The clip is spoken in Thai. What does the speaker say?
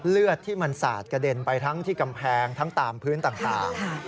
เลือดที่มันสาดกระเด็นไปทั้งที่กำแพงทั้งตามพื้นต่าง